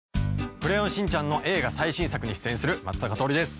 『クレヨンしんちゃん』の映画最新作に出演する松坂桃李です。